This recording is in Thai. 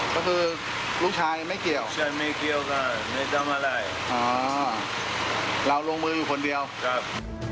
ก็คือลูกชายไม่เกี่ยวใช่ไม่เกี่ยวก็ไม่จำอะไรอ๋อเราลงมืออยู่คนเดียวครับ